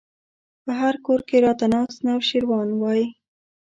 په هر کور کې راته ناست نوشيروان وای